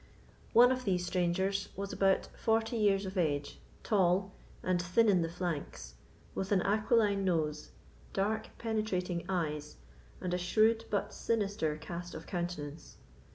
One of these strangers was about forty years of age, tall, and thin in the flanks, with an aquiline nose, dark penetrating eyes, and a shrewd but sinister cast of countenance.